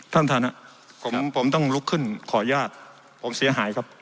ท่านท่านผมต้องลุกขึ้นขออนุญาตผมเสียหายครับ